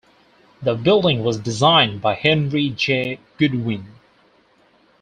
The building was designed by Henry J. Goodwin.